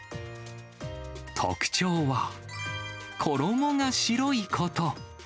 特徴は、衣が白いこと。